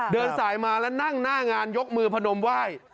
เดินสายมาแล้วนั่งหน้างานยกมือพนมไหว้